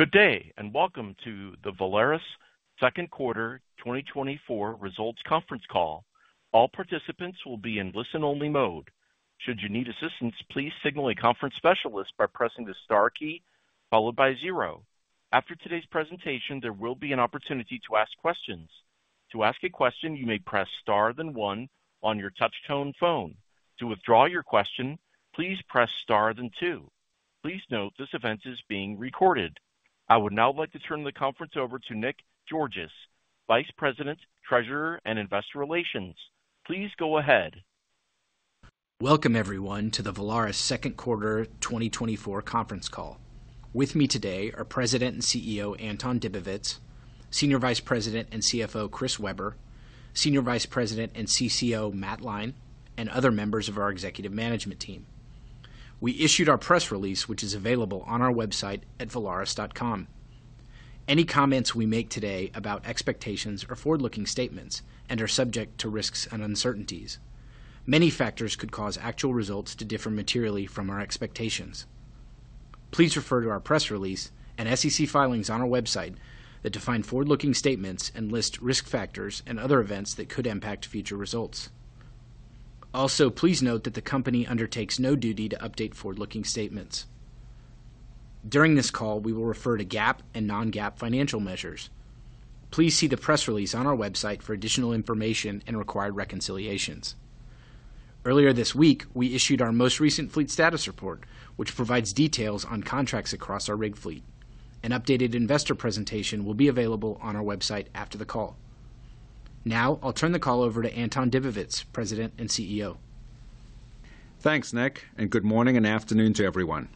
Good day, and welcome to the Valaris second quarter 2024 results conference call. All participants will be in listen-only mode. Should you need assistance, please signal a conference specialist by pressing the star key followed by zero. After today's presentation, there will be an opportunity to ask questions. To ask a question, you may press star then one on your touchtone phone. To withdraw your question, please press star, then two. Please note, this event is being recorded. I would now like to turn the conference over to Nick Georgas, Vice President, Treasurer, and Investor Relations. Please go ahead. Welcome everyone to the Valaris second quarter 2024 conference call. With me today are President and CEO Anton Dibowitz, Senior Vice President and CFO Chris Weber, Senior Vice President and CCO Matt Lyne, and other members of our executive management team. We issued our press release, which is available on our website at valaris.com. Any comments we make today about expectations are forward-looking statements and are subject to risks and uncertainties. Many factors could cause actual results to differ materially from our expectations. Please refer to our press release and SEC filings on our website that define forward-looking statements and list risk factors and other events that could impact future results. Also, please note that the company undertakes no duty to update forward-looking statements. During this call, we will refer to GAAP and non-GAAP financial measures. Please see the press release on our website for additional information and required reconciliations. Earlier this week, we issued our most recent fleet status report, which provides details on contracts across our rig fleet. An updated investor presentation will be available on our website after the call. Now, I'll turn the call over to Anton Dibowitz, President and CEO. Thanks, Nick, and good morning and afternoon to everyone.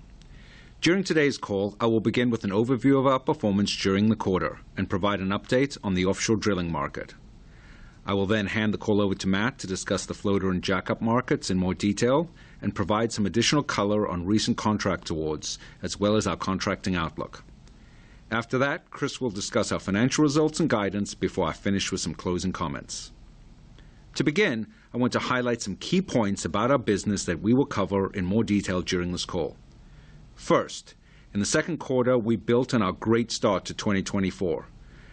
During today's call, I will begin with an overview of our performance during the quarter and provide an update on the offshore drilling market. I will then hand the call over to Matt to discuss the floater and jackup markets in more detail and provide some additional color on recent contract awards, as well as our contracting outlook. After that, Chris will discuss our financial results and guidance before I finish with some closing comments. To begin, I want to highlight some key points about our business that we will cover in more detail during this call. First, in the second quarter, we built on our great start to 2024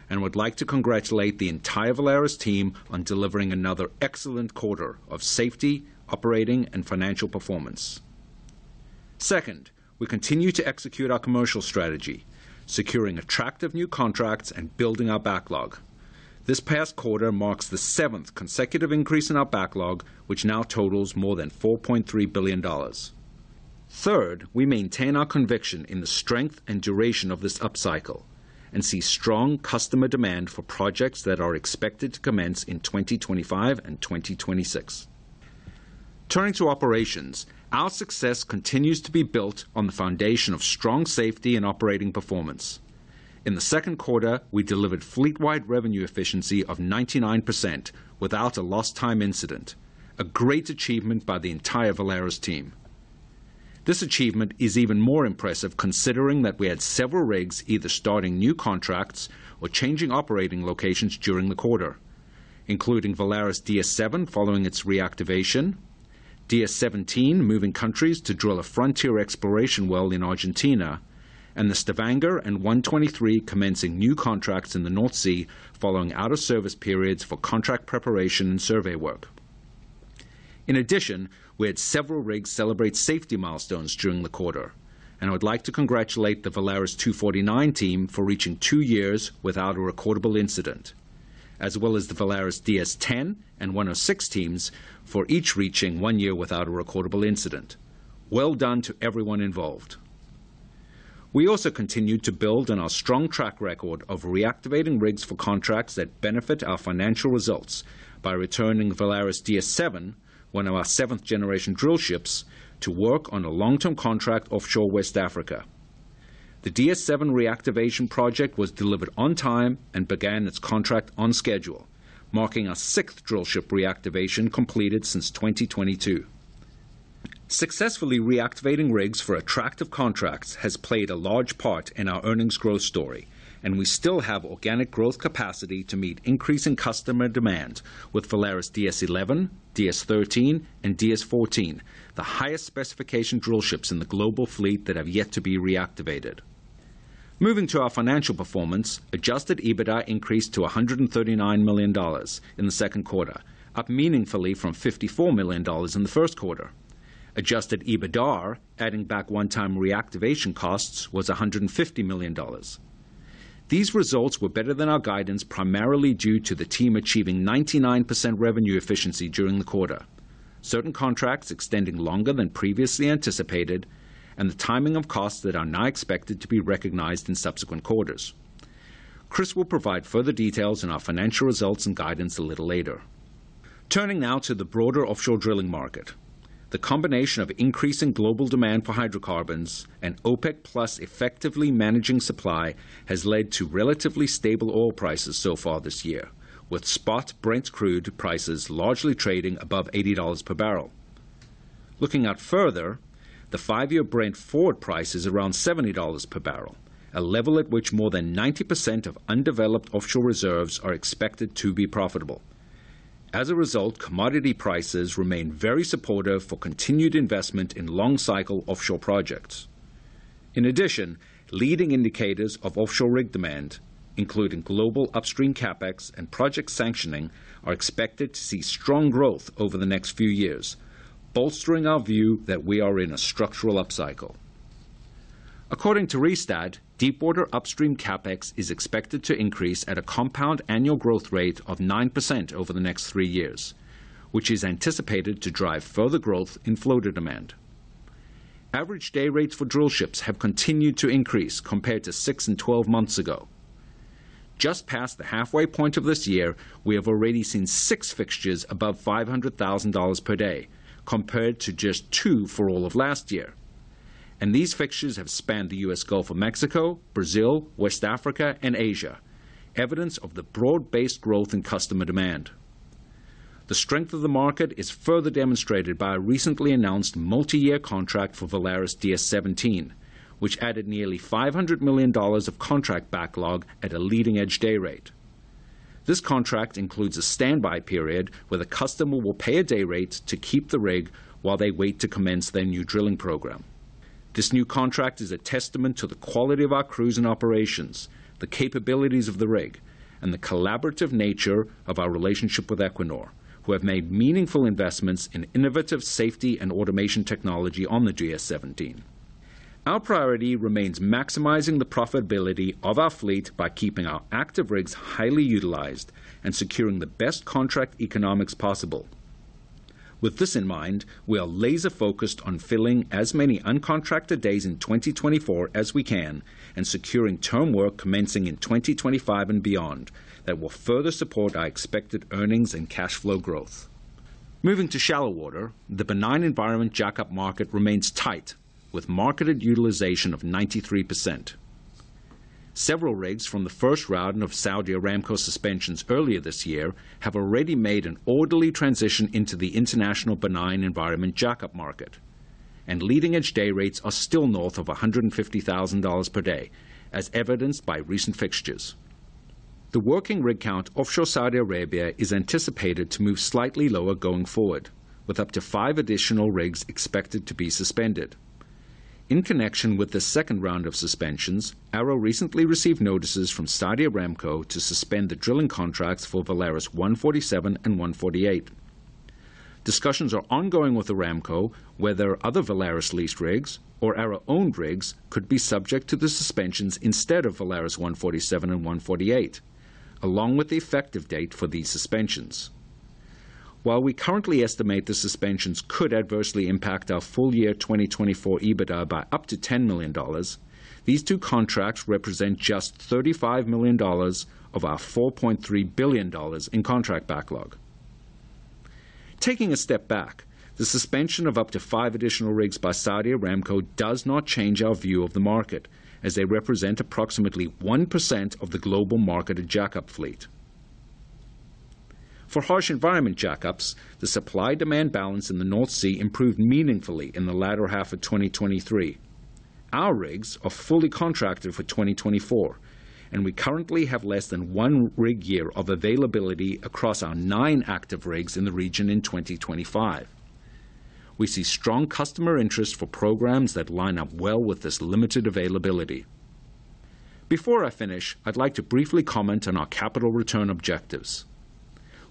and would like to congratulate the entire Valaris team on delivering another excellent quarter of safety, operating, and financial performance. Second, we continue to execute our commercial strategy, securing attractive new contracts and building our backlog. This past quarter marks the seventh consecutive increase in our backlog, which now totals more than $4.3 billion. Third, we maintain our conviction in the strength and duration of this upcycle and see strong customer demand for projects that are expected to commence in 2025 and 2026. Turning to operations, our success continues to be built on the foundation of strong safety and operating performance. In the second quarter, we delivered fleet-wide revenue efficiency of 99% without a lost time incident, a great achievement by the entire Valaris team. This achievement is even more impressive considering that we had several rigs, either starting new contracts or changing operating locations during the quarter, including Valaris DS-7, following its reactivation, DS-17, moving countries to drill a frontier exploration well in Argentina, and the Valaris Stavanger and 123 commencing new contracts in the North Sea, following out-of-service periods for contract preparation and survey work. In addition, we had several rigs celebrate safety milestones during the quarter, and I would like to congratulate the Valaris 249 team for reaching two years without a recordable incident, as well as the Valaris DS-10 and 106 teams for each reaching one year without a recordable incident. Well done to everyone involved. We also continued to build on our strong track record of reactivating rigs for contracts that benefit our financial results by returning Valaris DS-7, one of our seventh-generation drillships, to work on a long-term contract offshore West Africa. The DS-7 reactivation project was delivered on time and began its contract on schedule, marking our sixth drillship reactivation completed since 2022. Successfully reactivating rigs for attractive contracts has played a large part in our earnings growth story, and we still have organic growth capacity to meet increasing customer demand with Valaris DS-11, DS-13, and DS-14, the highest specification drillships in the global fleet that have yet to be reactivated. Moving to our financial performance, Adjusted EBITDA increased to $139 million in the second quarter, up meaningfully from $54 million in the first quarter. Adjusted EBITDAR, adding back one-time reactivation costs, was $150 million. These results were better than our guidance, primarily due to the team achieving 99% revenue efficiency during the quarter, certain contracts extending longer than previously anticipated and the timing of costs that are now expected to be recognized in subsequent quarters. Chris will provide further details on our financial results and guidance a little later. Turning now to the broader offshore drilling market, the combination of increasing global demand for hydrocarbons and OPEC+ effectively managing supply has led to relatively stable oil prices so far this year, with spot Brent crude prices largely trading above $80 per barrel. Looking out further, the five-year Brent forward price is around $70 per barrel, a level at which more than 90% of undeveloped offshore reserves are expected to be profitable. As a result, commodity prices remain very supportive for continued investment in long-cycle offshore projects. In addition, leading indicators of offshore rig demand, including global upstream CapEx and project sanctioning, are expected to see strong growth over the next few years, bolstering our view that we are in a structural upcycle. According to Rystad, deepwater upstream CapEx is expected to increase at a compound annual growth rate of 9% over the next three years, which is anticipated to drive further growth in floater demand. Average day rates for drillships have continued to increase compared to six and 12 months ago. Just past the halfway point of this year, we have already seen six fixtures above $500,000 per day, compared to just two for all of last year. These fixtures have spanned the U.S. Gulf of Mexico, Brazil, West Africa, and Asia, evidence of the broad-based growth in customer demand. The strength of the market is further demonstrated by a recently announced multiyear contract for Valaris DS-17, which added nearly $500 million of contract backlog at a leading-edge day rate. This contract includes a standby period, where the customer will pay a day rate to keep the rig while they wait to commence their new drilling program. This new contract is a testament to the quality of our crews and operations, the capabilities of the rig, and the collaborative nature of our relationship with Equinor, who have made meaningful investments in innovative safety and automation technology on the DS-17. Our priority remains maximizing the profitability of our fleet by keeping our active rigs highly utilized and securing the best contract economics possible. With this in mind, we are laser-focused on filling as many uncontracted days in 2024 as we can and securing term work commencing in 2025 and beyond that will further support our expected earnings and cash flow growth. Moving to shallow water, the benign environment jackup market remains tight, with marketed utilization of 93%. Several rigs from the first round of Saudi Aramco suspensions earlier this year have already made an orderly transition into the international benign environment jackup market, and leading-edge day rates are still north of $150,000 per day, as evidenced by recent fixtures. The working rig count offshore Saudi Arabia is anticipated to move slightly lower going forward, with up to five additional rigs expected to be suspended. In connection with the second round of suspensions, ARO recently received notices from Saudi Aramco to suspend the drilling contracts for Valaris 147 and 148. Discussions are ongoing with Aramco, whether other Valaris-leased rigs or ARO-owned rigs could be subject to the suspensions instead of Valaris 147 and 148, along with the effective date for these suspensions. While we currently estimate the suspensions could adversely impact our full-year 2024 EBITDA by up to $10 million, these two contracts represent just $35 million of our $4.3 billion in contract backlog. Taking a step back, the suspension of up to five additional rigs by Saudi Aramco does not change our view of the market, as they represent approximately 1% of the global marketed jackup fleet. For harsh environment jackups, the supply-demand balance in the North Sea improved meaningfully in the latter half of 2023. Our rigs are fully contracted for 2024, and we currently have less than one rig year of availability across our 9 active rigs in the region in 2025. We see strong customer interest for programs that line up well with this limited availability. Before I finish, I'd like to briefly comment on our capital return objectives.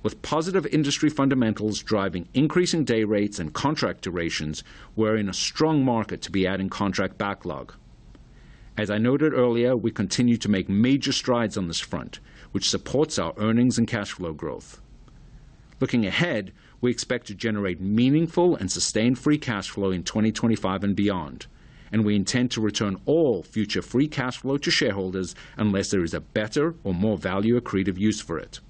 With positive industry fundamentals driving increasing day rates and contract durations, we're in a strong market to be adding contract backlog. As I noted earlier, we continue to make major strides on this front, which supports our earnings and cash flow growth. Looking ahead, we expect to generate meaningful and sustained free cash flow in 2025 and beyond, and we intend to return all future free cash flow to shareholders unless there is a better or more value accretive use for it.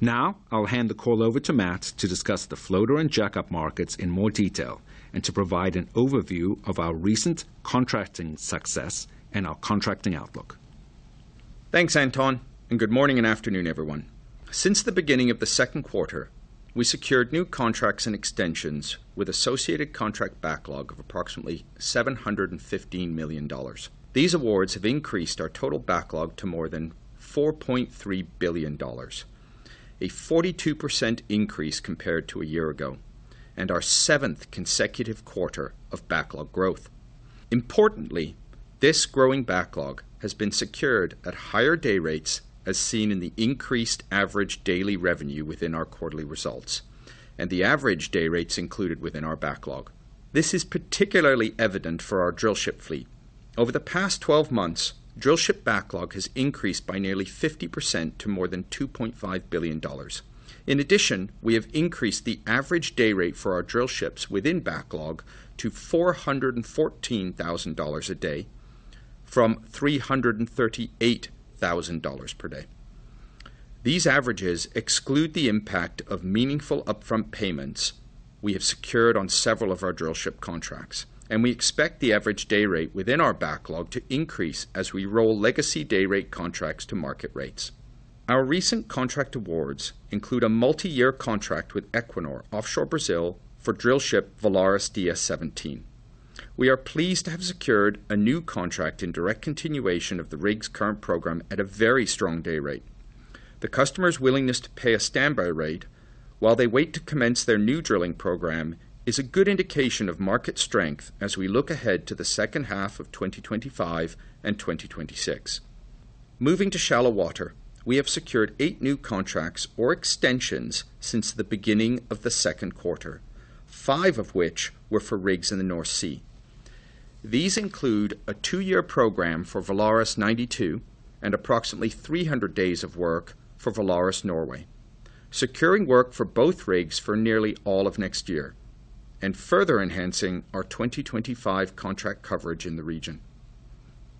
Now, I'll hand the call over to Matt to discuss the floater and jackup markets in more detail and to provide an overview of our recent contracting success and our contracting outlook. Thanks, Anton, and good morning and afternoon, everyone. Since the beginning of the second quarter, we secured new contracts and extensions with associated contract backlog of approximately $715 million. These awards have increased our total backlog to more than $4.3 billion, a 42% increase compared to a year ago, and our seventh consecutive quarter of backlog growth. Importantly, this growing backlog has been secured at higher day rates, as seen in the increased average daily revenue within our quarterly results and the average day rates included within our backlog. This is particularly evident for our drillship fleet. Over the past 12 months, drillship backlog has increased by nearly 50% to more than $2.5 billion. In addition, we have increased the average day rate for our drillships within backlog to $414,000 a day from $338,000 per day. These averages exclude the impact of meaningful upfront payments we have secured on several of our drillship contracts, and we expect the average day rate within our backlog to increase as we roll legacy day rate contracts to market rates. Our recent contract awards include a multi-year contract with Equinor offshore Brazil for drillship Valaris DS-17. We are pleased to have secured a new contract in direct continuation of the rig's current program at a very strong day rate. The customer's willingness to pay a standby rate while they wait to commence their new drilling program is a good indication of market strength as we look ahead to the second half of 2025 and 2026. Moving to shallow water, we have secured eight new contracts or extensions since the beginning of the second quarter, five of which were for rigs in the North Sea. These include a two-year program for Valaris 92 and approximately 300 days of work for Valaris Norway, securing work for both rigs for nearly all of next year and further enhancing our 2025 contract coverage in the region.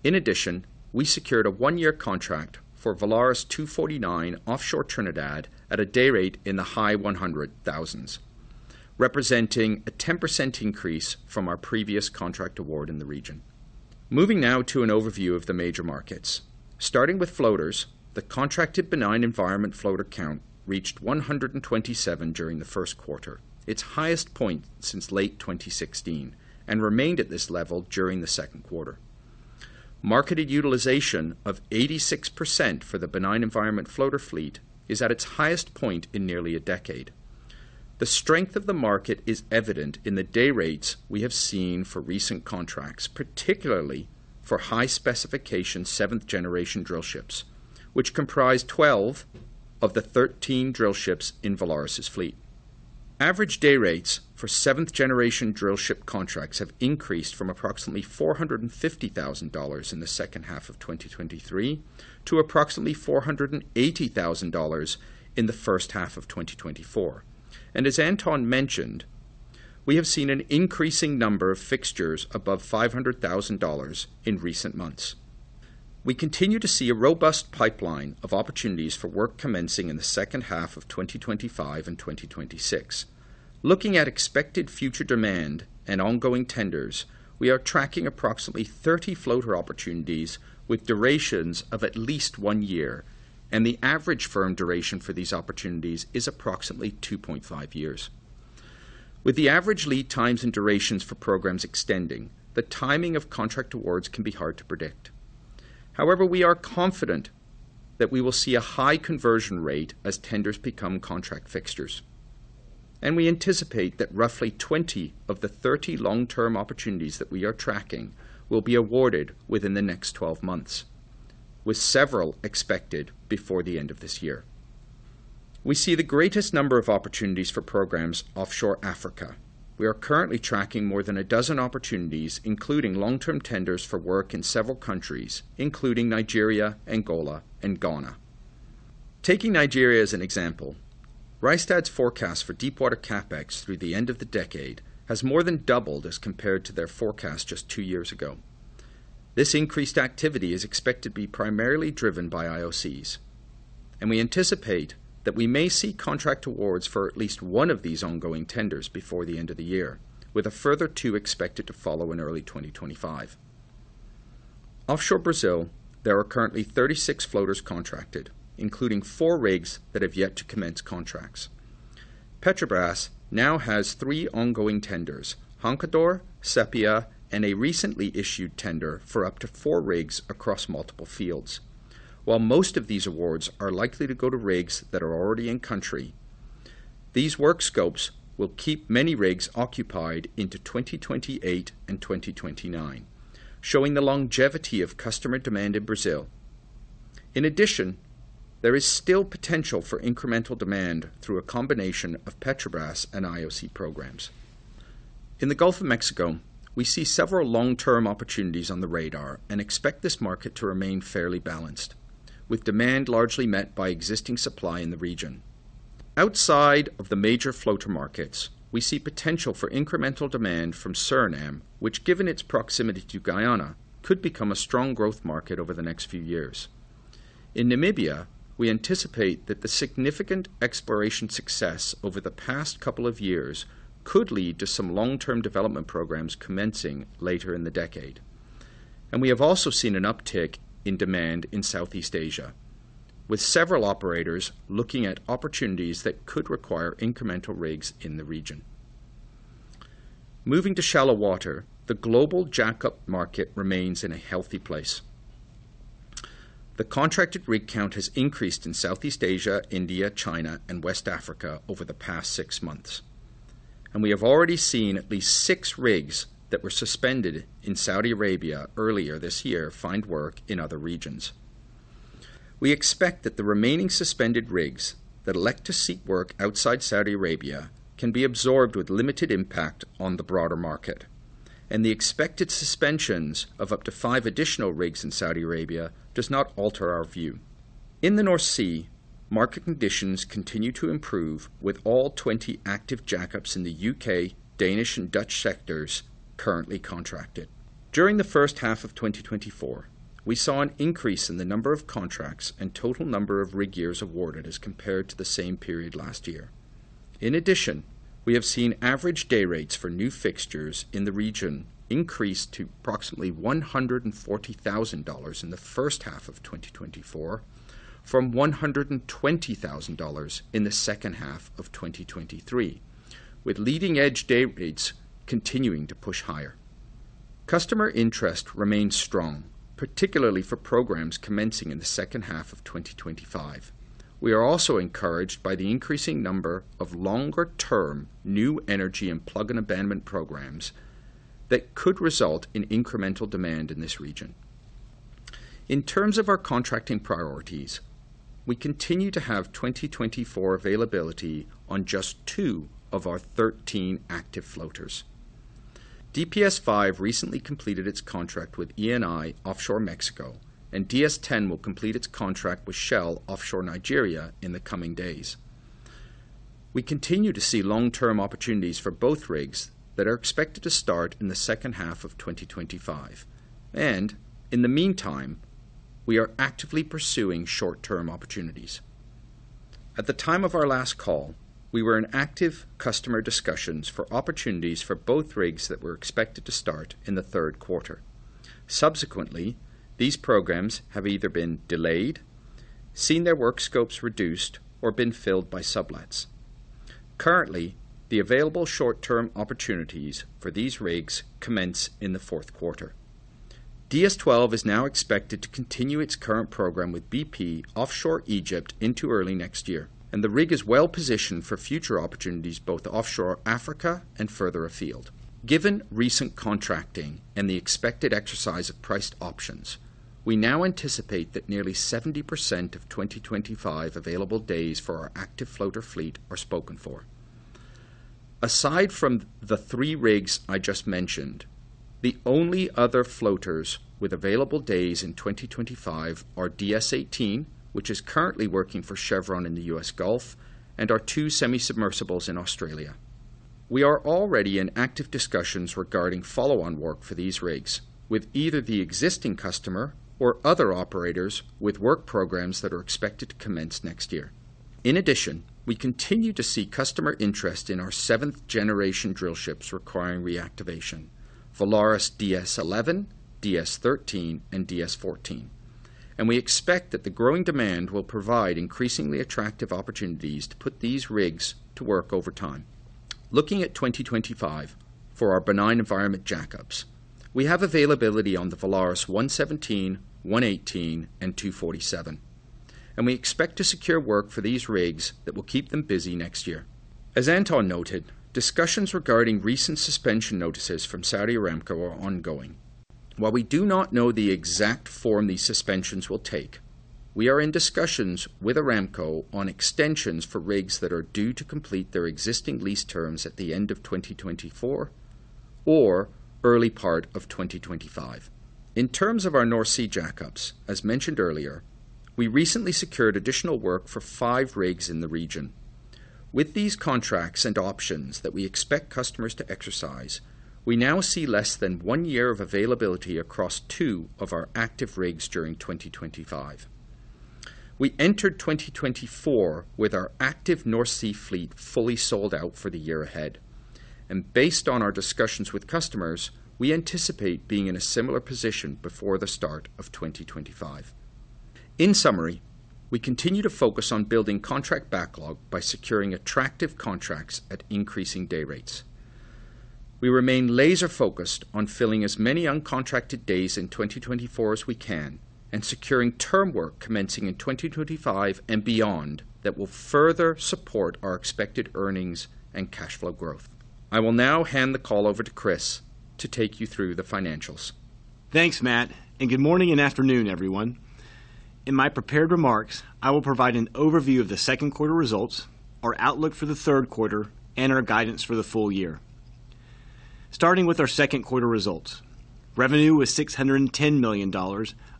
In addition, we secured a one-year contract for Valaris 249 offshore Trinidad at a day rate in the high $100,000s, representing a 10% increase from our previous contract award in the region. Moving now to an overview of the major markets. Starting with floaters, the contracted benign environment floater count reached 127 during the first quarter, its highest point since late 2016, and remained at this level during the second quarter. Marketed utilization of 86% for the benign environment floater fleet is at its highest point in nearly a decade. The strength of the market is evident in the day rates we have seen for recent contracts, particularly for high-specification 17th-generation drillships, which comprise 12 of the 13 drillships in Valaris' fleet. Average day rates for 7th-generation drillship contracts have increased from approximately $450,000 in the second half of 2023 to approximately $480,000 in the first half of 2024. And as Anton mentioned, we have seen an increasing number of fixtures above $500,000 in recent months. We continue to see a robust pipeline of opportunities for work commencing in the second half of 2025 and 2026. Looking at expected future demand and ongoing tenders, we are tracking approximately 30 floater opportunities with durations of at least 1 year, and the average firm duration for these opportunities is approximately 2.5 years. With the average lead times and durations for programs extending, the timing of contract awards can be hard to predict. However, we are confident that we will see a high conversion rate as tenders become contract fixtures. We anticipate that roughly 20 of the 30 long-term opportunities that we are tracking will be awarded within the next 12 months, with several expected before the end of this year. We see the greatest number of opportunities for programs offshore Africa. We are currently tracking more than 12 opportunities, including long-term tenders for work in several countries, including Nigeria, Angola, and Ghana. Taking Nigeria as an example, Rystad's forecast for Deepwater CapEx through the end of the decade has more than doubled as compared to their forecast just two years ago. This increased activity is expected to be primarily driven by IOCs, and we anticipate that we may see contract awards for at least one of these ongoing tenders before the end of the year, with a further two expected to follow in early 2025. Offshore Brazil, there are currently 36 floaters contracted, including four rigs that have yet to commence contracts. Petrobras now has three ongoing tenders: Roncador, Sepia, and a recently issued tender for up to four rigs across multiple fields. While most of these awards are likely to go to rigs that are already in the country, these work scopes will keep many rigs occupied into 2028 and 2029, showing the longevity of customer demand in Brazil. In addition, there is still potential for incremental demand through a combination of Petrobras and IOC programs. In the Gulf of Mexico, we see several long-term opportunities on the radar and expect this market to remain fairly balanced, with demand largely met by existing supply in the region. Outside of the major floater markets, we see potential for incremental demand from Suriname, which, given its proximity to Guyana, could become a strong growth market over the next few years. In Namibia, we anticipate that the significant exploration success over the past couple of years could lead to some long-term development programs commencing later in the decade. We have also seen an uptick in demand in Southeast Asia, with several operators looking at opportunities that could require incremental rigs in the region. Moving to shallow water, the global jackup market remains in a healthy place. The contracted rig count has increased in Southeast Asia, India, China, and West Africa over the past six months, and we have already seen at least six rigs that were suspended in Saudi Arabia earlier this year find work in other regions. We expect that the remaining suspended rigs that elect to seek work outside Saudi Arabia can be absorbed with limited impact on the broader market, and the expected suspensions of up to five additional rigs in Saudi Arabia does not alter our view. In the North Sea, market conditions continue to improve, with all 20 active jackups in the U.K., Danish, and Dutch sectors currently contracted. During the first half of 2024, we saw an increase in the number of contracts and total number of rig years awarded as compared to the same period last year. In addition, we have seen average day rates for new fixtures in the region increase to approximately $140,000 in the first half of 2024 from $120,000 in the second half of 2023, with leading-edge day rates continuing to push higher. Customer interest remains strong, particularly for programs commencing in the second half of 2025. We are also encouraged by the increasing number of longer-term new energy and plug and abandonment programs that could result in incremental demand in this region. In terms of our contracting priorities, we continue to have 2024 availability on just two of our 13 active floaters. DPS-5 recently completed its contract with ENI offshore Mexico, and DS-10 will complete its contract with Shell offshore Nigeria in the coming days. We continue to see long-term opportunities for both rigs that are expected to start in the second half of 2025, and in the meantime, we are actively pursuing short-term opportunities. At the time of our last call, we were in active customer discussions for opportunities for both rigs that were expected to start in the third quarter. Subsequently, these programs have either been delayed, seen their work scopes reduced, or been filled by sublets. Currently, the available short-term opportunities for these rigs commence in the fourth quarter. DS-12 is now expected to continue its current program with BP offshore Egypt into early next year, and the rig is well positioned for future opportunities, both offshore Africa and further afield. Given recent contracting and the expected exercise of priced options, we now anticipate that nearly 70% of 2025 available days for our active floater fleet are spoken for. Aside from the three rigs I just mentioned, the only other floaters with available days in 2025 are DS-18, which is currently working for Chevron in the U.S. Gulf of Mexico, and our two semi-submersibles in Australia. We are already in active discussions regarding follow-on work for these rigs, with either the existing customer or other operators with work programs that are expected to commence next year. In addition, we continue to see customer interest in our seventh-generation drillships requiring reactivation, Valaris DS-11, DS-13, and DS-14. We expect that the growing demand will provide increasingly attractive opportunities to put these rigs to work over time. Looking at 2025 for our benign environment jackups, we have availability on the Valaris 117, 118, and 247, and we expect to secure work for these rigs that will keep them busy next year. As Anton noted, discussions regarding recent suspension notices from Saudi Aramco are ongoing. While we do not know the exact form these suspensions will take, we are in discussions with Aramco on extensions for rigs that are due to complete their existing lease terms at the end of 2024 or early part of 2025. In terms of our North Sea jackups, as mentioned earlier, we recently secured additional work for five rigs in the region. With these contracts and options that we expect customers to exercise, we now see less than one year of availability across two of our active rigs during 2025. We entered 2024 with our active North Sea fleet fully sold out for the year ahead, and based on our discussions with customers, we anticipate being in a similar position before the start of 2025. In summary, we continue to focus on building contract backlog by securing attractive contracts at increasing day rates. We remain laser-focused on filling as many uncontracted days in 2024 as we can and securing term work commencing in 2025 and beyond that will further support our expected earnings and cash flow growth. I will now hand the call over to Chris to take you through the financials. Thanks, Matt, and good morning and afternoon, everyone. In my prepared remarks, I will provide an overview of the second quarter results, our outlook for the third quarter, and our guidance for the full year. Starting with our second quarter results, revenue was $610 million,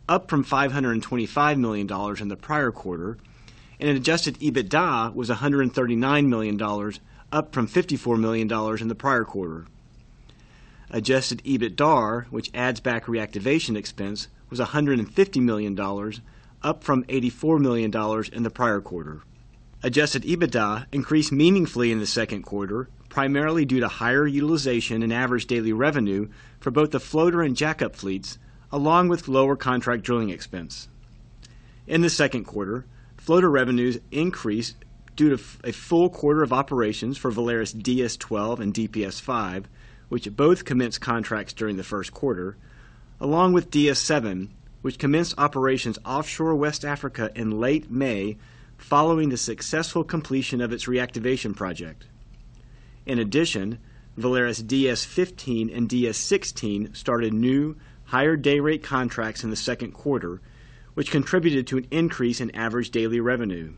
up from $525 million in the prior quarter, and adjusted EBITDA was $139 million, up from $54 million in the prior quarter. Adjusted EBITDAR, which adds back reactivation expense, was $150 million, up from $84 million in the prior quarter. Adjusted EBITDA increased meaningfully in the second quarter, primarily due to higher utilization and average daily revenue for both the floater and jackup fleets, along with lower contract drilling expense. In the second quarter, floater revenues increased due to a full quarter of operations for Valaris DS-12 and DPS-5, which both commenced contracts during the first quarter, along with DS-7, which commenced operations offshore West Africa in late May, following the successful completion of its reactivation project. In addition, Valaris DS-15 and DS-16 started new higher day rate contracts in the second quarter, which contributed to an increase in average daily revenue.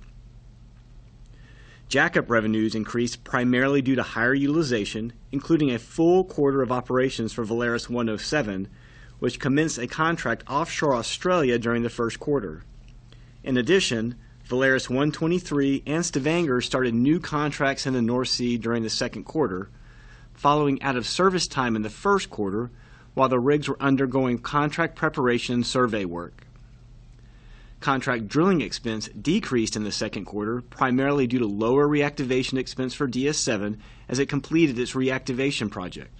Jackup revenues increased primarily due to higher utilization, including a full quarter of operations for Valaris 107, which commenced a contract offshore Australia during the first quarter. In addition, Valaris 123 and Stavanger started new contracts in the North Sea during the second quarter, following out of service time in the first quarter, while the rigs were undergoing contract preparation and survey work. Contract drilling expense decreased in the second quarter, primarily due to lower reactivation expense for DS-7 as it completed its reactivation project.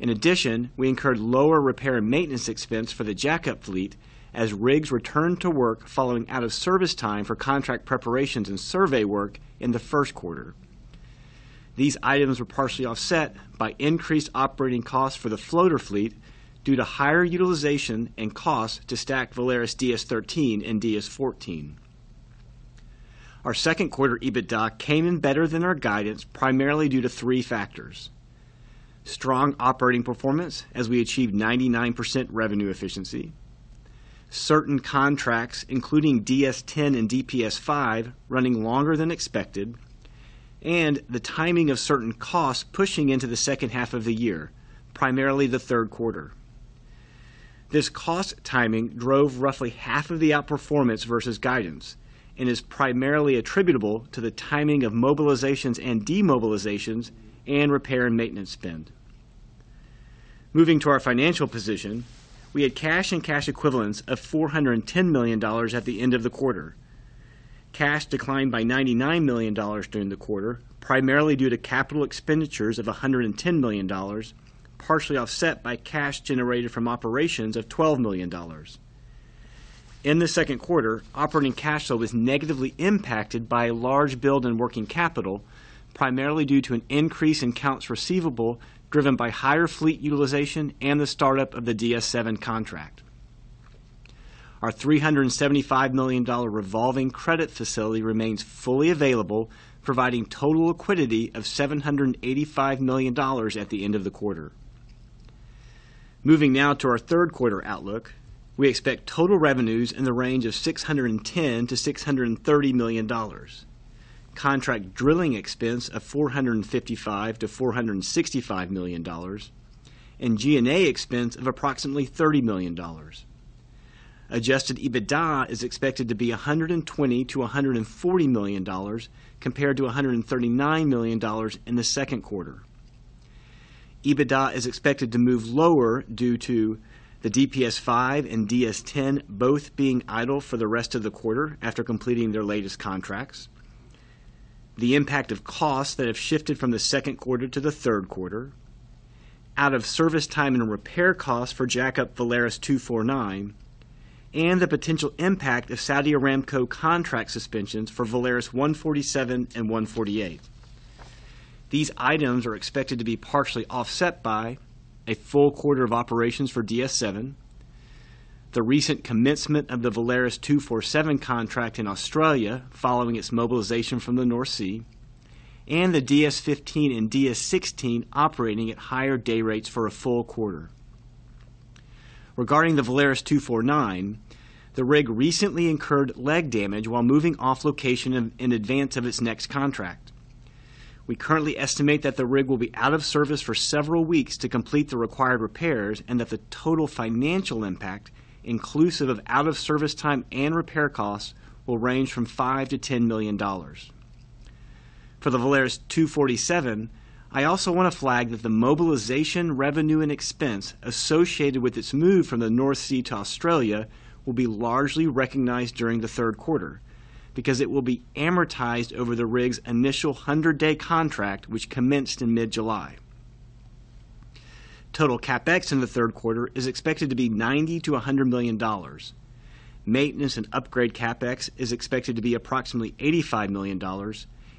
In addition, we incurred lower repair and maintenance expense for the jackup fleet as rigs returned to work following out of service time for contract preparations and survey work in the first quarter. These items were partially offset by increased operating costs for the floater fleet due to higher utilization and costs to stack Valaris DS-13 and DS-14. Our second quarter EBITDA came in better than our guidance, primarily due to three factors: strong operating performance, as we achieved 99% revenue efficiency, certain contracts, including DS-10 and DPS-5, running longer than expected, and the timing of certain costs pushing into the second half of the year, primarily the third quarter. This cost timing drove roughly half of the outperformance versus guidance and is primarily attributable to the timing of mobilizations and demobilizations, and repair and maintenance spend. Moving to our financial position, we had cash and cash equivalents of $410 million at the end of the quarter. Cash declined by $99 million during the quarter, primarily due to CapEx of $110 million, partially offset by cash generated from operations of $12 million. In the second quarter, operating cash flow was negatively impacted by a large build in working capital, primarily due to an increase in accounts receivable, driven by higher fleet utilization and the startup of the DS-7 contract. Our $375 million revolving credit facility remains fully available, providing total liquidity of $785 million at the end of the quarter. Moving now to our third quarter outlook, we expect total revenues in the range of $610 million-$630 million, contract drilling expense of $455 million-$465 million, and G&A expense of approximately $30 million. Adjusted EBITDA is expected to be $120 million-$140 million compared to $139 million in the second quarter. EBITDA is expected to move lower due to the DPS-5 and DS-10 both being idle for the rest of the quarter after completing their latest contracts, the impact of costs that have shifted from the second quarter to the third quarter, out of service time and repair costs for jackup Valaris 249, and the potential impact of Saudi Aramco contract suspensions for Valaris 147 and 148. These items are expected to be partially offset by a full quarter of operations for DS-7, the recent commencement of the Valaris 247 contract in Australia following its mobilization from the North Sea, and the DS-15 and DS-16 operating at higher day rates for a full quarter. Regarding the Valaris 249, the rig recently incurred leg damage while moving off location in advance of its next contract. We currently estimate that the rig will be out of service for several weeks to complete the required repairs, and that the total financial impact, inclusive of out-of-service time and repair costs, will range from $5 million-$10 million. For the Valaris 247, I also want to flag that the mobilization revenue and expense associated with its move from the North Sea to Australia will be largely recognized during the third quarter, because it will be amortized over the rig's initial 100-day contract, which commenced in mid-July. Total CapEx in the third quarter is expected to be $90 million-$100 million. Maintenance and upgrade CapEx is expected to be approximately $85 million,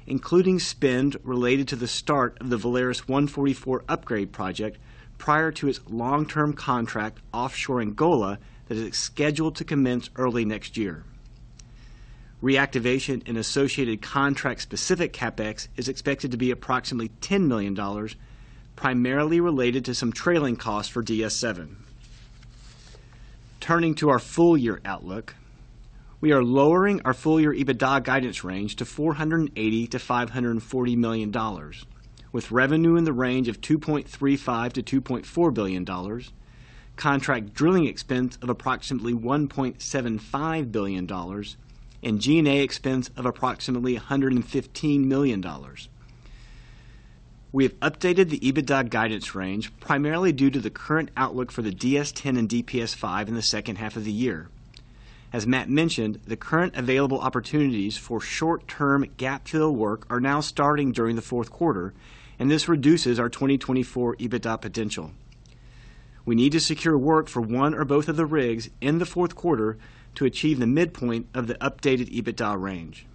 including spend related to the start of the Valaris 144 upgrade project prior to its long-term contract offshore Angola that is scheduled to commence early next year. Reactivation and associated contract-specific CapEx is expected to be approximately $10 million, primarily related to some trailing costs for DS-7. Turning to our full year outlook, we are lowering our full-year EBITDA guidance range to $480 million-$540 million, with revenue in the range of $2.35 billion-$2.4 billion, contract drilling expense of approximately $1.75 billion, and G&A expense of approximately $115 million. We have updated the EBITDA guidance range primarily due to the current outlook for the DS-10 and DPS-5 in the second half of the year. As Matt mentioned, the current available opportunities for short-term gap fill work are now starting during the fourth quarter, and this reduces our 2024 EBITDA potential. We need to secure work for one or both of the rigs in the fourth quarter to achieve the midpoint of the updated EBITDA range.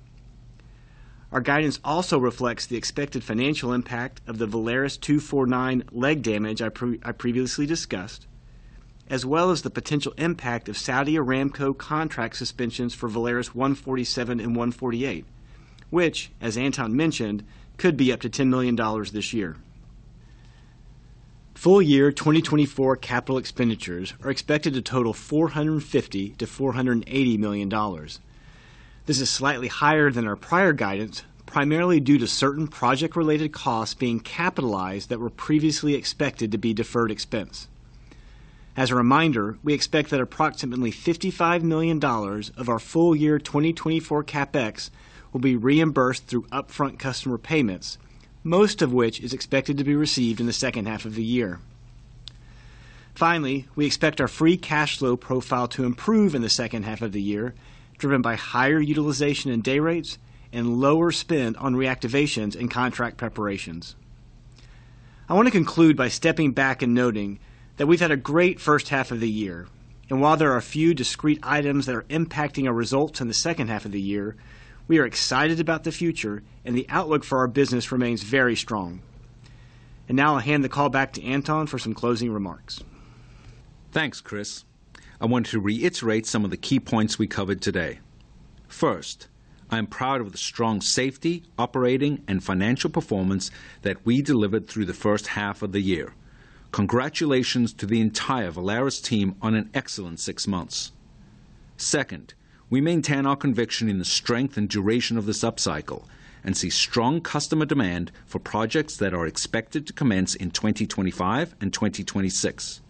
Our guidance also reflects the expected financial impact of the Valaris 249 leg damage I previously discussed, as well as the potential impact of Saudi Aramco contract suspensions for Valaris 147 and 148, which, as Anton mentioned, could be up to $10 million this year. Full year 2024 capital expenditures are expected to total $450 million-$480 million. This is slightly higher than our prior guidance, primarily due to certain project-related costs being capitalized that were previously expected to be deferred expense. As a reminder, we expect that approximately $55 million of our full year 2024 CapEx will be reimbursed through upfront customer payments, most of which is expected to be received in the second half of the year. Finally, we expect our free cash flow profile to improve in the second half of the year, driven by higher utilization and day rates and lower spend on reactivations and contract preparations. I want to conclude by stepping back and noting that we've had a great first half of the year, and while there are a few discrete items that are impacting our results in the second half of the year, we are excited about the future and the outlook for our business remains very strong. And now I'll hand the call back to Anton for some closing remarks. Thanks, Chris. I want to reiterate some of the key points we covered today. First, I'm proud of the strong safety, operating, and financial performance that we delivered through the first half of the year. Congratulations to the entire Valaris team on an excellent six months. Second, we maintain our conviction in the strength and duration of this upcycle and see strong customer demand for projects that are expected to commence in 2025 and 2026.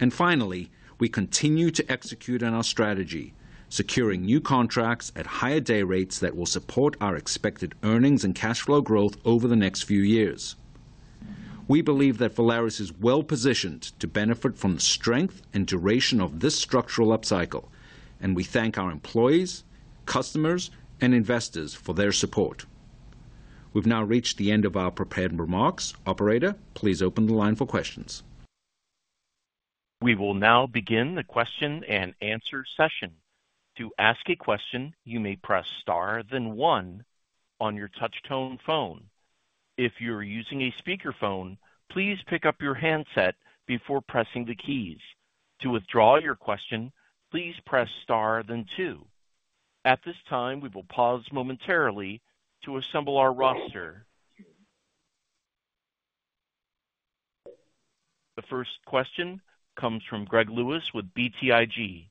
And finally, we continue to execute on our strategy, securing new contracts at higher day rates that will support our expected earnings and cash flow growth over the next few years. We believe that Valaris is well-positioned to benefit from the strength and duration of this structural upcycle, and we thank our employees, customers, and investors for their support. We've now reached the end of our prepared remarks. Operator, please open the line for questions. We will now begin the question-and-answer session. To ask a question, you may press star then one on your touch tone phone. If you're using a speakerphone, please pick up your handset before pressing the keys. To withdraw your question, please press star then two. At this time, we will pause momentarily to assemble our roster. The first question comes from Greg Lewis with BTIG.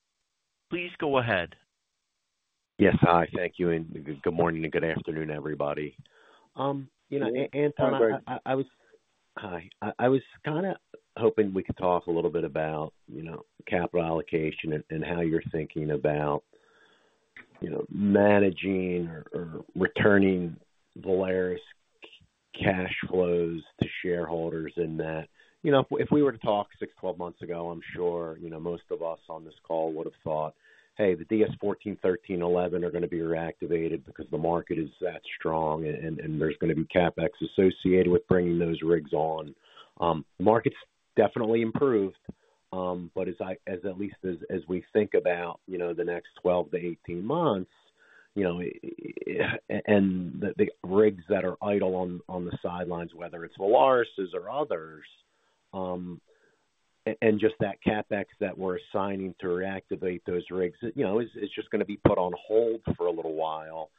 Please go ahead. Yes, hi, thank you, and good morning and good afternoon, everybody. You know, Anton, I was kind of hoping we could talk a little bit about, you know, capital allocation and how you're thinking about, you know, managing or returning Valaris cash flows to shareholders and that. You know, if we were to talk six, 12 months ago, I'm sure, you know, most of us on this call would have thought, "Hey, the DS-14, DS-13, DS-11 are gonna be reactivated because the market is that strong, and there's gonna be CapEx associated with bringing those rigs on." Markets definitely improved, but at least as we think about, you know, the next 12-18 months, you know, and the rigs that are idle on the sidelines, whether it's Valaris' or others, and just that CapEx that we're assigning to reactivate those rigs, you know, is just gonna be put on hold for a little while.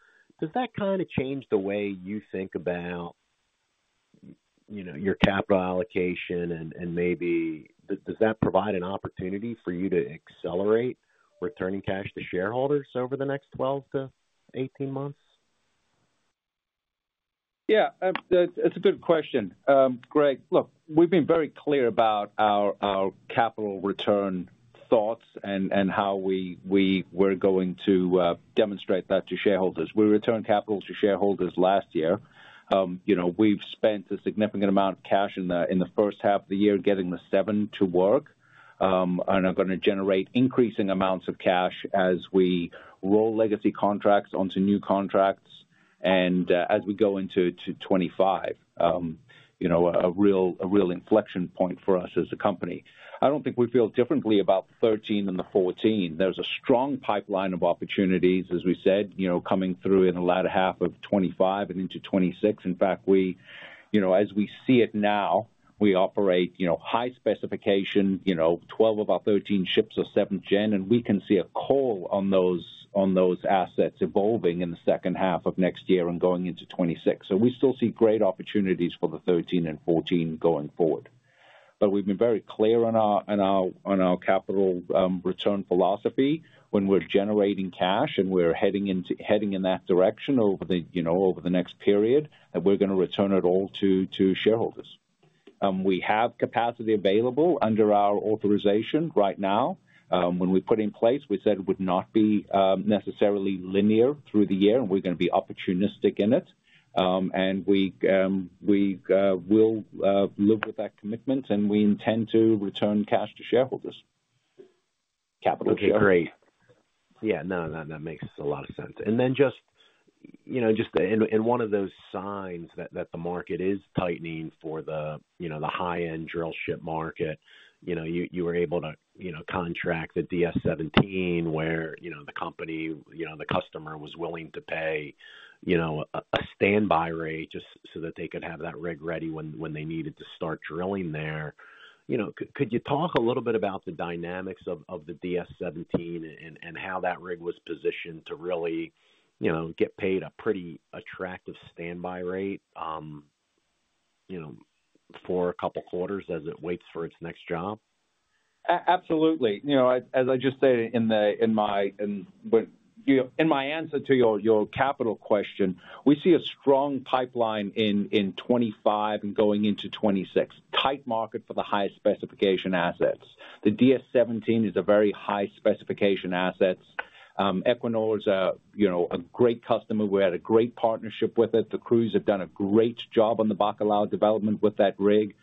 Does that kind of change the way you think about, you know, your capital allocation, and, and maybe does, does that provide an opportunity for you to accelerate returning cash to shareholders over the next 12-18 months? Yeah, that's a good question. Greg, look, we've been very clear about our capital return thoughts and how we're going to demonstrate that to shareholders. We returned capitals to shareholders last year. You know, we've spent a significant amount of cash in the first half of the year getting the seven to work, and are gonna generate increasing amounts of cash as we roll legacy contracts onto new contracts, and as we go into 2025, you know, a real inflection point for us as a company. I don't think we feel differently about the 13 and the 14. There's a strong pipeline of opportunities, as we said, you know, coming through in the latter half of 2025 and into 2026. In fact, we, you know, as we see it now, we operate, you know, high specification, you know, 12 of our 13 ships are 7th gen, and we can see a call on those, on those assets evolving in the second half of next year and going into 2026. So we still see great opportunities for the 13 and 14 going forward. But we've been very clear on our capital return philosophy when we're generating cash and we're heading in that direction over the, you know, over the next period, and we're gonna return it all to shareholders. We have capacity available under our authorization right now. When we put in place, we said it would not be necessarily linear through the year, and we're gonna be opportunistic in it. We will live with that commitment, and we intend to return cash to shareholders. Capital share. Okay, great. Yeah, no, that, that makes a lot of sense. And then just, you know, just in, in one of those signs that, that the market is tightening for the, you know, the high-end drillship market, you know, you, you were able to, you know, contract the DS-17, where, you know, the company, you know, the customer was willing to pay, you know, a, a standby rate just so that they could have that rig ready when, when they needed to start drilling there. You know, could, could you talk a little bit about the dynamics of, of the DS-17 and, and how that rig was positioned to really, you know, get paid a pretty attractive standby rate, you know, for a couple quarters as it waits for its next job? Absolutely. You know, as I just said, in my answer to your capital question, we see a strong pipeline in 2025 and going into 2026. Tight market for the highest specification assets. The DS-17 is a very high specification asset. Equinor is a great customer. We had a great partnership with it. The crews have done a great job on the Bacalhau development with that rig.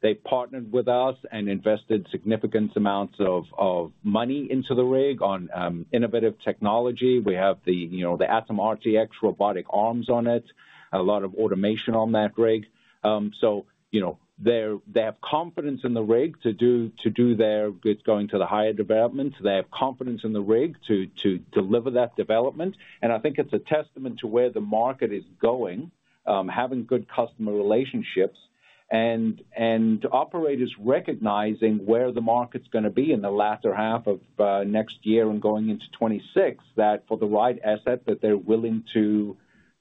They've partnered with us and invested significant amounts of money into the rig on innovative technology. We have the ATOM RTX robotic arms on it, a lot of automation on that rig. So, you know, they have confidence in the rig to do their... It's going to the higher development. They have confidence in the rig to deliver that development, and I think it's a testament to where the market is going, having good customer relationships and operators recognizing where the market's gonna be in the latter half of next year and going into 2026, that for the right asset, that they're willing to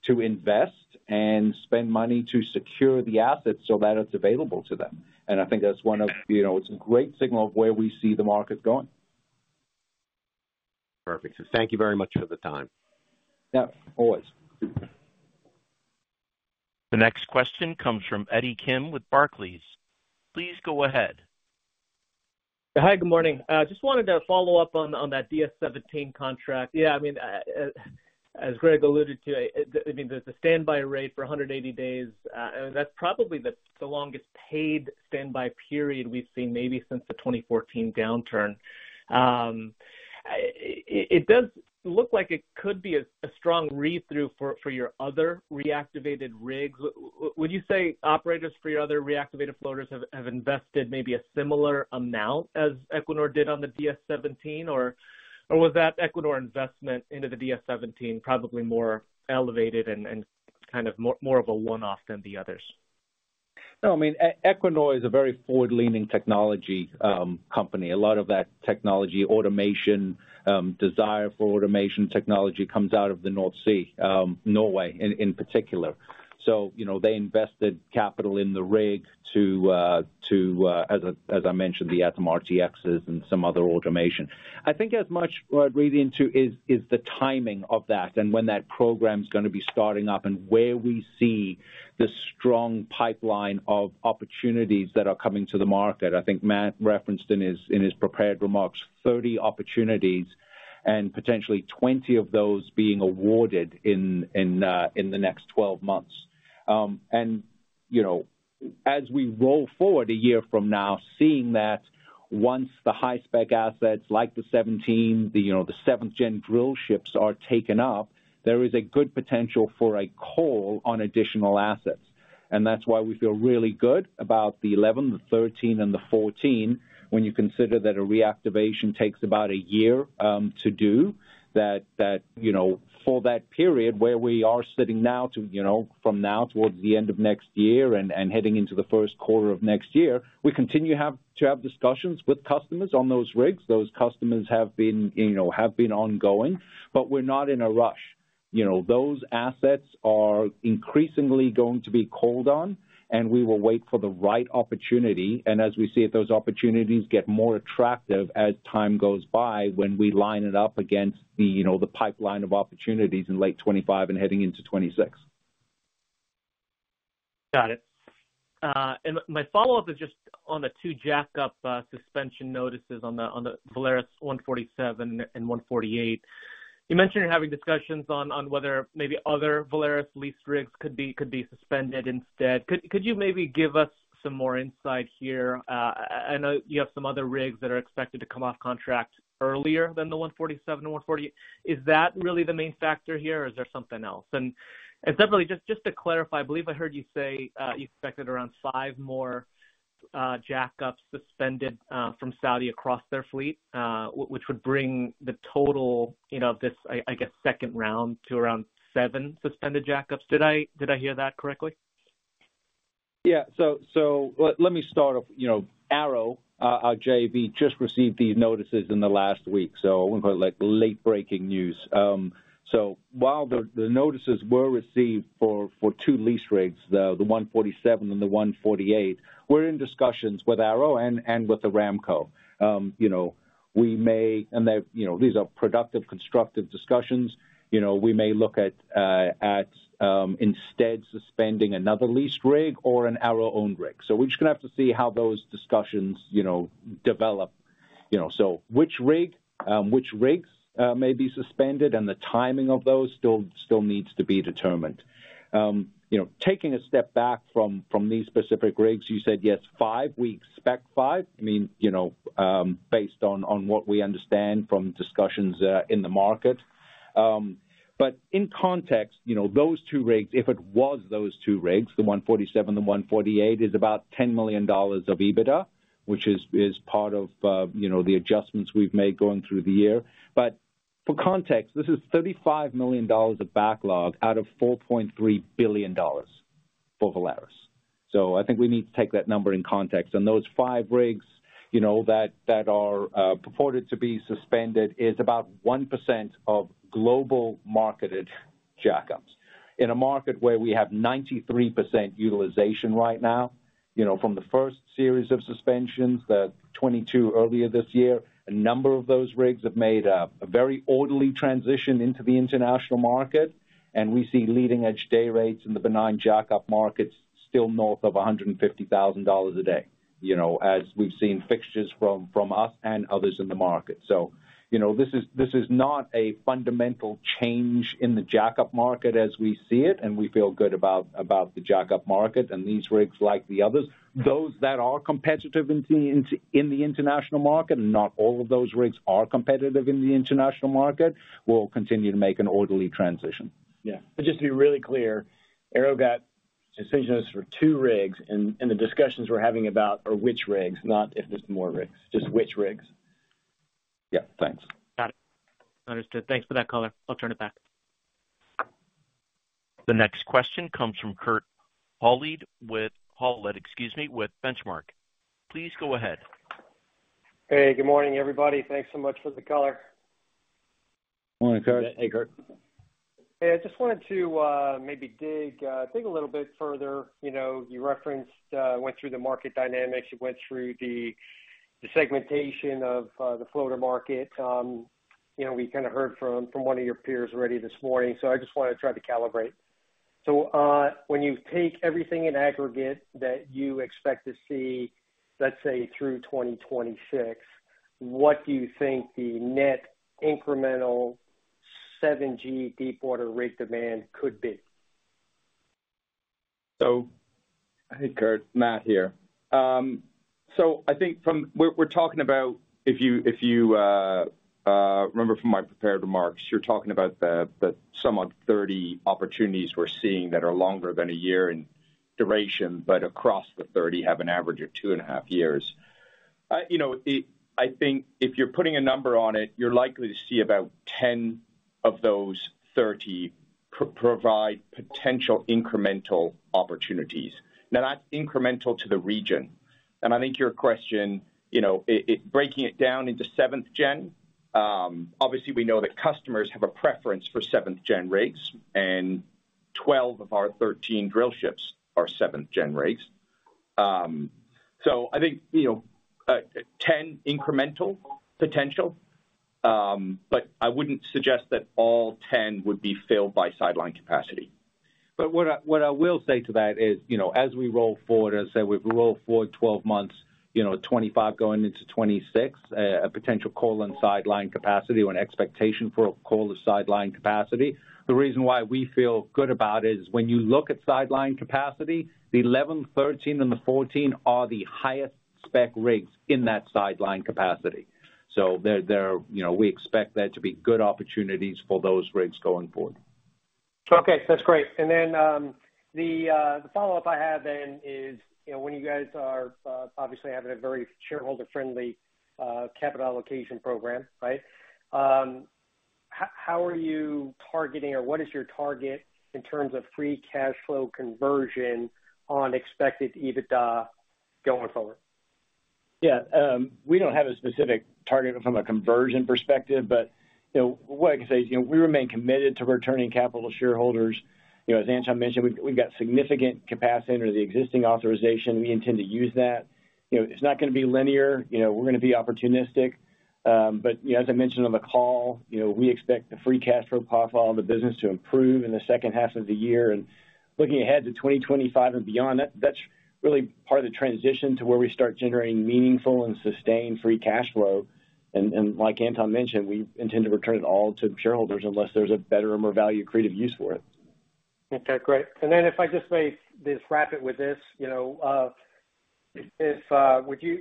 invest and spend money to secure the asset so that it's available to them. And I think that's one of, you know, it's a great signal of where we see the market going. Perfect. Thank you very much for the time. Yeah, always. The next question comes from Eddie Kim with Barclays. Please go ahead. Hi, good morning. Just wanted to follow up on that DS-17 contract. Yeah, I mean, as Greg alluded to, I mean, there's a standby rate for 180 days. And that's probably the longest paid standby period we've seen maybe since the 2014 downturn. It does look like it could be a strong read-through for your other reactivated rigs. Would you say operators for your other reactivated floaters have invested maybe a similar amount as Equinor did on the DS-17, or was that Equinor investment into the DS-17 probably more elevated and kind of more of a one-off than the others? No, I mean, Equinor is a very forward-leaning technology company. A lot of that technology, automation desire for automation technology comes out of the North Sea, Norway in particular. So, you know, they invested capital in the rig to, as I mentioned, the ATOM RTXs and some other automation. I think as much what read into is the timing of that and when that program's gonna be starting up and where we see the strong pipeline of opportunities that are coming to the market. I think Matt referenced in his prepared remarks, 30 opportunities and potentially 20 of those being awarded in the next 12 months. And, you know, as we roll forward a year from now, seeing that once the high-spec assets like the 17, the, you know, the seventh-gen drill ships are taken up, there is a good potential for a call on additional assets. And that's why we feel really good about the 11, the 13, and the 14, when you consider that a reactivation takes about a year to do. That, that, you know, for that period where we are sitting now to, you know, from now towards the end of next year and, and heading into the first quarter of next year, we continue to have, to have discussions with customers on those rigs. Those customers have been, you know, have been ongoing, but we're not in a rush. You know, those assets are increasingly going to be called on, and we will wait for the right opportunity. As we see it, those opportunities get more attractive as time goes by, when we line it up against the, you know, the pipeline of opportunities in late 2025 and heading into 2026. Got it. And my follow-up is just on the two jackup suspension notices on the Valaris 147 and 148. You mentioned you're having discussions on whether maybe other Valaris lease rigs could be suspended instead. Could you maybe give us some more insight here? I know you have some other rigs that are expected to come off contract earlier than the 147 and 148. Is that really the main factor here, or is there something else? And definitely, just to clarify, I believe I heard you say you expected around five more jackups suspended from Saudi across their fleet, which would bring the total, you know, of this, I guess, second round to around seven suspended jackups. Did I hear that correctly? Yeah. So let me start off, you know, ARO, our JV, just received these notices in the last week, so I wouldn't call it like late-breaking news. So while the notices were received for two lease rigs, the 147 and the 148, we're in discussions with ARO and with Aramco. You know, we may... And they, you know, these are productive, constructive discussions. You know, we may look at instead suspending another leased rig or an ARO-owned rig. So we're just gonna have to see how those discussions, you know, develop. You know, so which rig, which rigs may be suspended and the timing of those still needs to be determined. You know, taking a step back from these specific rigs, you said yes, five, we expect five. I mean, you know, based on what we understand from discussions in the market. But in context, you know, those two rigs, if it was those two rigs, the 147 and 148, is about $10 million of EBITDA, which is part of you know, the adjustments we've made going through the year. But for context, this is $35 million of backlog out of $4.3 billion for Valaris. So I think we need to take that number in context. Those five rigs, you know, that are purported to be suspended is about 1% of global marketed jackups. In a market where we have 93% utilization right now, you know, from the first series of suspensions, the 22 earlier this year, a number of those rigs have made a very orderly transition into the international market, and we see leading-edge day rates in the benign jackup markets still north of $150,000 a day, you know, as we've seen fixtures from us and others in the market. So, you know, this is not a fundamental change in the jackup market as we see it, and we feel good about the jackup market and these rigs, like the others. Those that are competitive in the international market, not all of those rigs are competitive in the international market, will continue to make an orderly transition. Yeah. Just to be really clear, ARO got-... So those are two rigs, and the discussions we're having about are which rigs, not if there's more rigs, just which rigs? Yeah, thanks. Got it. Understood. Thanks for that color. I'll turn it back. The next question comes from Kurt Hallead with Benchmark. Please go ahead. Hey, good morning, everybody. Thanks so much for the color. Morning, Kurt. Hey, Kurt. Hey, I just wanted to maybe dig a little bit further. You know, you referenced went through the market dynamics. You went through the segmentation of the floater market. You know, we kinda heard from one of your peers already this morning, so I just wanna try to calibrate. So, when you take everything in aggregate that you expect to see, let's say, through 2026, what do you think the net incremental 7G deepwater rig demand could be? So, hey, Kurt, Matt here. So I think from... We're talking about if you remember from my prepared remarks, you're talking about the somewhat 30 opportunities we're seeing that are longer than a year in duration, but across the 30, have an average of 2.5 years. You know, I think if you're putting a number on it, you're likely to see about 10 of those 30 provide potential incremental opportunities. Now, that's incremental to the region, and I think your question, you know, breaking it down into seventh gen, obviously, we know that customers have a preference for seventh gen rigs, and 12 of our 13 drillships are seventh gen rigs. I think, you know, 10 incremental potential, but I wouldn't suggest that all 10 would be filled by sideline capacity. But what I will say to that is, you know, as we roll forward, as I say, we roll forward 12 months, you know, 2025 going into 2026, a potential call in sideline capacity or an expectation for a call to sideline capacity. The reason why we feel good about it is when you look at sideline capacity, the 11, 13, and the 14 are the highest spec rigs in that sideline capacity. So there, you know, we expect there to be good opportunities for those rigs going forward. Okay, that's great. And then, the follow-up I have then is, you know, when you guys are obviously having a very shareholder-friendly capital allocation program, right? How are you targeting, or what is your target in terms of free cash flow conversion on expected EBITDA going forward? Yeah, we don't have a specific target from a conversion perspective, but, you know, what I can say is, you know, we remain committed to returning capital to shareholders. You know, as Anton mentioned, we've, we've got significant capacity under the existing authorization. We intend to use that. You know, it's not gonna be linear, you know, we're gonna be opportunistic. But, you know, as I mentioned on the call, you know, we expect the free cash flow profile of the business to improve in the second half of the year. And looking ahead to 2025 and beyond, that, that's really part of the transition to where we start generating meaningful and sustained free cash flow. And, and like Anton mentioned, we intend to return it all to shareholders unless there's a better or more value creative use for it. Okay, great. And then if I just may just wrap it with this, you know, would you...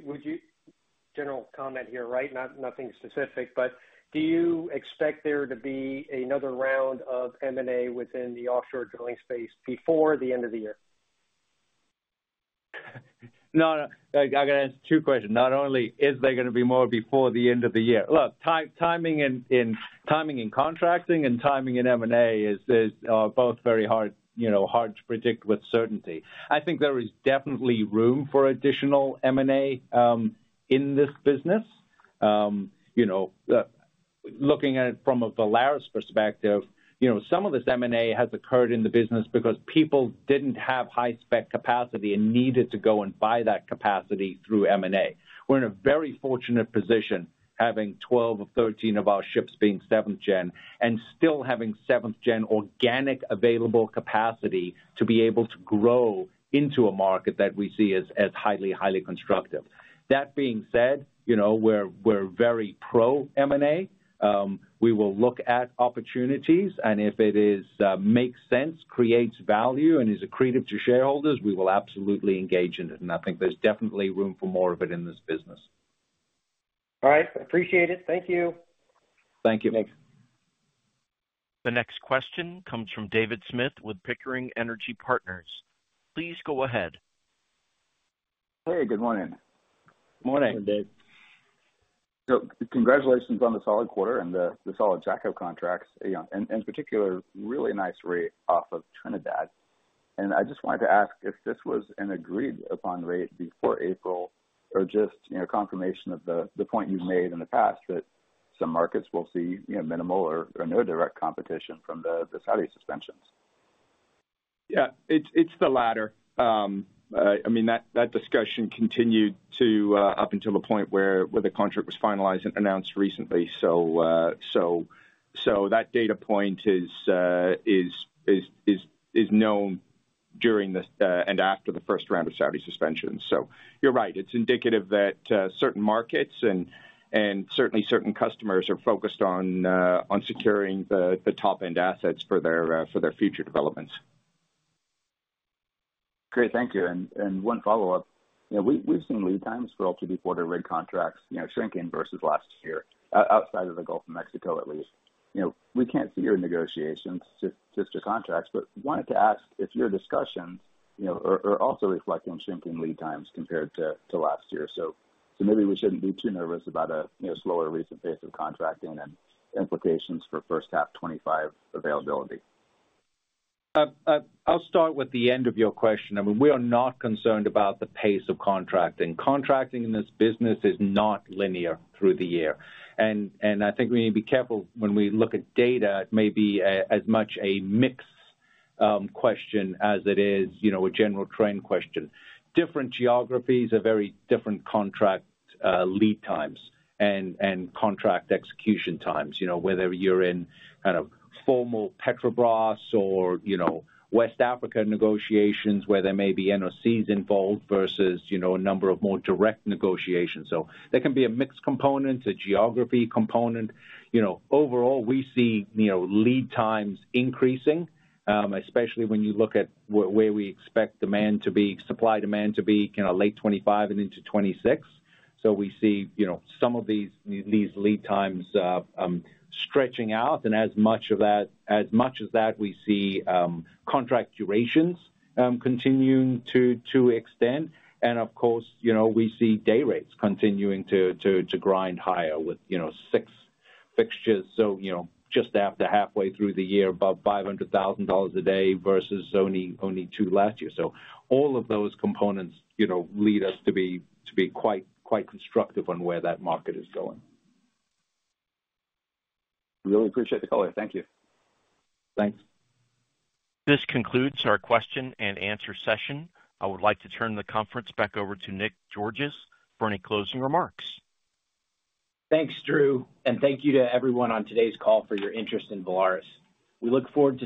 General comment here, right? Nothing specific, but do you expect there to be another round of M&A within the offshore drilling space before the end of the year? No, no. I gotta answer two questions. Not only is there gonna be more before the end of the year. Look, timing in contracting and timing in M&A are both very hard, you know, hard to predict with certainty. I think there is definitely room for additional M&A in this business. You know, looking at it from a Valaris perspective, you know, some of this M&A has occurred in the business because people didn't have high-spec capacity and needed to go and buy that capacity through M&A. We're in a very fortunate position, having 12 or 13 of our ships being seventh-gen and still having seventh-gen organic available capacity to be able to grow into a market that we see as highly constructive. That being said, you know, we're very pro M&A. We will look at opportunities, and if it is, makes sense, creates value, and is accretive to shareholders, we will absolutely engage in it, and I think there's definitely room for more of it in this business. All right, appreciate it. Thank you. Thank you. Thanks. The next question comes from David Smith with Pickering Energy Partners. Please go ahead. Hey, good morning. Morning. Morning, Dave. Congratulations on the solid quarter and the solid jackup contracts, you know, and in particular, really nice rate off of Trinidad. I just wanted to ask if this was an agreed-upon rate before April, or just, you know, confirmation of the point you've made in the past, that some markets will see, you know, minimal or no direct competition from the Saudi suspensions. Yeah, it's the latter. I mean, that discussion continued to up until the point where the contract was finalized and announced recently. So, so that data point is known during the, and after the first round of Saudi suspensions. So you're right, it's indicative that certain markets and certainly certain customers are focused on securing the top-end assets for their future developments. Great. Thank you. And one follow-up. You know, we've seen lead times for floater rig contracts, you know, shrinking versus last year, outside of the Gulf of Mexico, at least. You know, we can't see your negotiations, just your contracts, but wanted to ask if your discussions, you know, are also reflecting shrinking lead times compared to last year. So maybe we shouldn't be too nervous about a, you know, slower recent pace of contracting and implications for first half 2025 availability. I'll start with the end of your question. I mean, we are not concerned about the pace of contracting. Contracting in this business is not linear through the year. And I think we need to be careful when we look at data; it may be as much a mix question as it is, you know, a general trend question. Different geographies have very different contract lead times and contract execution times. You know, whether you're in kind of formal Petrobras or, you know, West Africa negotiations where there may be NOCs involved versus, you know, a number of more direct negotiations. So there can be a mixed component, a geography component. You know, overall, we see, you know, lead times increasing, especially when you look at where we expect demand to be... supply, demand to be kinda late 2025 and into 2026. So we see, you know, some of these, these lead times stretching out, and as much of that, as much as that, we see contract durations continuing to extend. And of course, you know, we see day rates continuing to grind higher with, you know, 6 fixtures. So, you know, just after halfway through the year, above $500,000 a day versus only, only tw- last year. So all of those components, you know, lead us to be quite constructive on where that market is going. Really appreciate the color. Thank you. Thanks. This concludes our question-and-answer session. I would like to turn the conference back over to Nick Georgas for any closing remarks. Thanks, Drew, and thank you to everyone on today's call for your interest in Valaris. We look forward to-